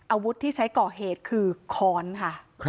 อาวุธที่ใช้ก่อเหตุคือค้อนค่ะ